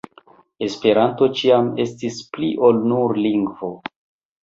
Esperanto ĉiam estis pli ol nur lingvo.